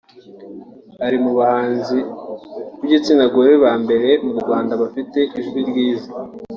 ari mu bahanzi b’igitsinagore ba mbere mu Rwanda bafite ijwi ryiza